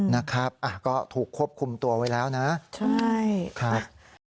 นะครับก็ถูกควบคุมตัวไว้แล้วนะใช่ครับ